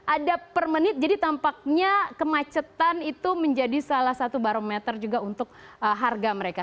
ada per menit jadi tampaknya kemacetan itu menjadi salah satu barometer juga untuk harga mereka